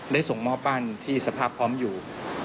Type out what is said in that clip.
ส่งมอบบ้านที่สภาพพร้อมอยู่